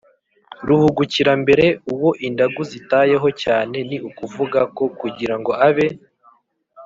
ruhugukirambere: uwo indagu zitayeho cyane ni ukuvuga ko kugira ngo abe